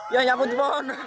ya nyambut di pohon